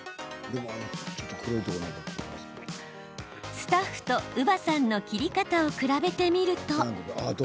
スタッフと伯母さんの切り方を比べてみると。